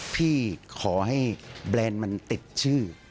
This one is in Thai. พี่ขอให้แบรนด์มันติดชื่อ